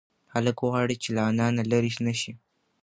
هلک غواړي چې له انا نه لرې نشي.